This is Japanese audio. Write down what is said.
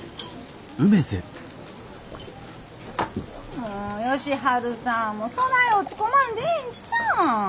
もう佳晴さんそない落ち込まんでええんちゃうん。